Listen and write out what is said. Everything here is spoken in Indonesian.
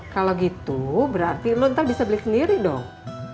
kalau gitu berarti lu ntar bisa beli sendiri dong